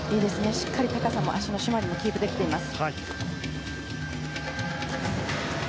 しっかり脚の締まりもキープできています。